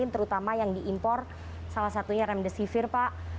terutama yang diimpor salah satunya remdesivir pak